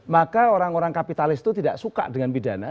maka orang orang kapitalis itu tidak suka dengan pidana